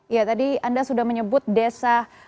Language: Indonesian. ya tadi anda sudah menyebut desa